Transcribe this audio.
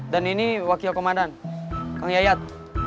dan ini wakil komandan kang yayat